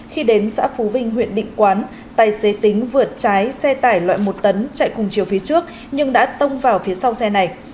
khi đến xã phú vinh huyện định quán tài xế tính vượt trái xe tải loại một tấn chạy cùng chiều phía trước nhưng đã tông vào phía sau xe này